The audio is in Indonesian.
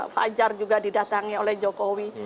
fajar juga didatangi oleh jokowi